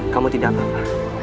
kamu tidak apa apa